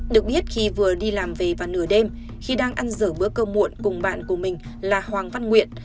được biết khi vừa đi làm về và nửa đêm khi đang ăn dở bữa cơm muộn cùng bạn của mình là hoàng văn nguyện